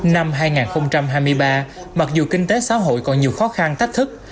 năm hai nghìn hai mươi ba mặc dù kinh tế xã hội còn nhiều khó khăn tách thức